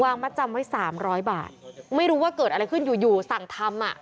มัดจำไว้สามร้อยบาทไม่รู้ว่าเกิดอะไรขึ้นอยู่อยู่สั่งทำอ่ะ